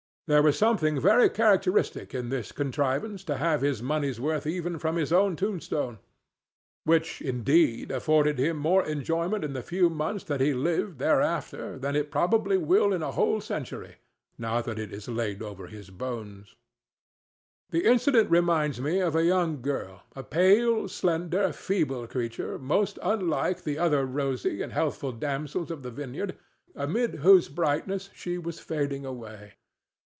There was something very characteristic in this contrivance to have his money's worth even from his own tombstone, which, indeed, afforded him more enjoyment in the few months that he lived thereafter than it probably will in a whole century, now that it is laid over his bones. This incident reminds me of a young girl—a pale, slender, feeble creature most unlike the other rosy and healthful damsels of the Vineyard, amid whose brightness she was fading away.